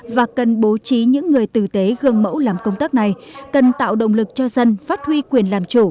và cần bố trí những người tử tế gương mẫu làm công tác này cần tạo động lực cho dân phát huy quyền làm chủ